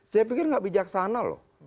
saya pikir nggak bijaksana loh